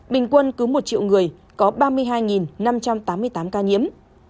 bình quân cứ một triệu người có ba mươi hai năm trăm tám mươi tám ca nhiễm